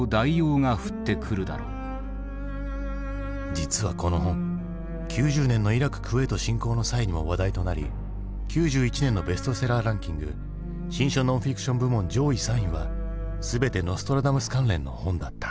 実はこの本９０年のイラククウェート侵攻の際にも話題となり９１年のベストセラーランキング新書・ノンフィクション部門上位３位は全てノストラダムス関連の本だった。